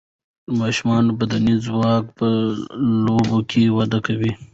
د ماشومان بدني ځواک په لوبو کې وده کوي.